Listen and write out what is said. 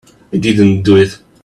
I didn't do it.